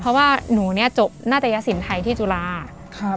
เพราะว่าหนูเนี่ยจบนาตยสินไทยที่จุฬาครับ